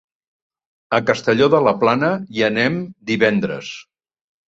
A Castelló de la Plana hi anem divendres.